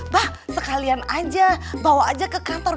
bah sekalian aja bawa aja ke kantor